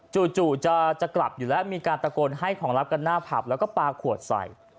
จู่จะกลับอยู่แล้วมีการตะโกนให้ของรับกันหน้าผับแล้วก็ปลาขวดใส่